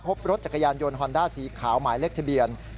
พบรถจักรยานยนต์ฮอนด้าสีขาวหมายเลขทะเบียน